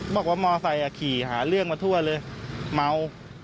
บอกว่ามอไซค์ขี่หาเรื่องมาทั่วเลยเมา